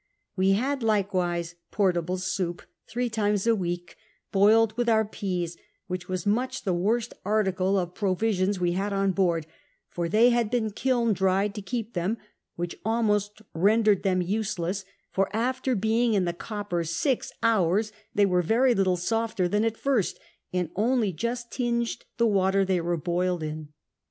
We had likewise porUible soiij), tliree times a week, boiled with our peas ; which were much the worst article of provisions we had on boanl ; for they had been kiln dried to keep them, which almost rendered them useless : for after being in the copper six hours they were very little softer than at first, and only just tinged the water they were boiled in.